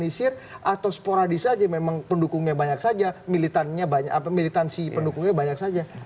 inisir atau sporadis saja memang pendukungnya banyak saja militansi pendukungnya banyak saja